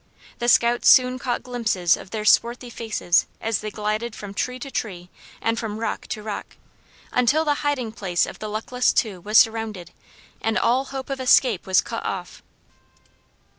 The scouts soon caught glimpses of their swarthy faces as they glided from tree to tree and from rock to rock, until the hiding place of the luckless two was surrounded and all hope of escape was cut off.